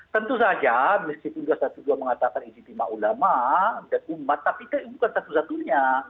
tentu saja meskipun dua ratus dua belas mengatakan ijtima ulama dan umat tapi kan bukan satu satunya